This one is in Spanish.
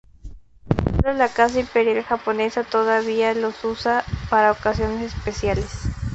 Solo la Casa Imperial Japonesa todavía los usa para ocasiones especiales.